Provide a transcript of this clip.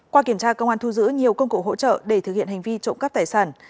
qua kiểm tra công an thu giữ nhiều công cụ hỗ trợ để thực hiện hành vi trộm cắp tài sản